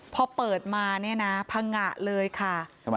พอเปิดมาเนี่ยนะพังงะเลยค่ะ